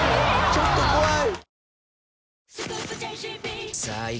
ちょっと怖い！